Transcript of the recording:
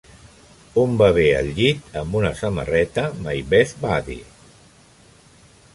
Un bebè al llit amb una samarreta "my best buddy".